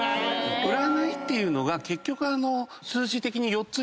占いっていうのが結局数字的に。